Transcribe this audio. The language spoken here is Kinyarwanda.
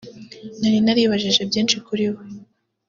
nari naribajije byinshi kuri we